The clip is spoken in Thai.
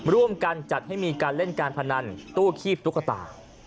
ร่วมกันจัดให้มีการเล่นการพนันตู้คีบตุ๊กตา